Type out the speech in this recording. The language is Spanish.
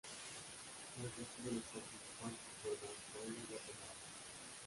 El resto de los participantes fueron Australia y Guatemala.